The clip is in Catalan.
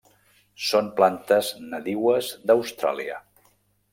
Són plantes nadiues d'Austràlia.